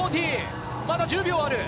まだ１０秒ある。